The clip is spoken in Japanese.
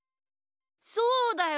そうだよ！